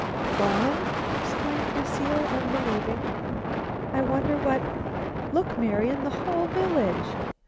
"Gone!" exclaimed Lucile unbelievingly. "I wonder what " "Look, Marian; the whole village!"